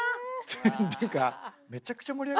ていうか。